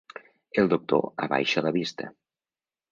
El doctor abaixa la vista.